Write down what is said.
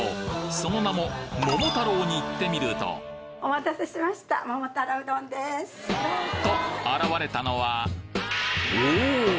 その名も「桃太郎」に行ってみるとと現れたのはおお！